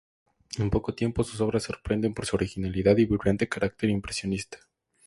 En poco tiempo, sus obras sorprenden por su originalidad y vibrante carácter impresionista.